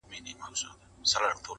هم ئې پر مخ وهي، هم ئې پر نال وهي.